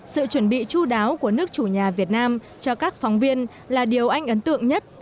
sự chuẩn bị chú đáo của nước chủ nhà việt nam cho các phóng viên là điều anh ấn tượng nhất